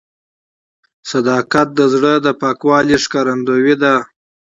صداقت د زړه د پاکوالي ښکارندوی دی.